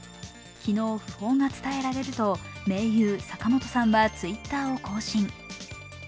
昨日、訃報が伝えられると盟友・坂本さんはＴｗｉｔｔｅｒを更新。